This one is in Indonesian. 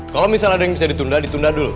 kalau misalnya ada yang bisa ditunda ditunda dulu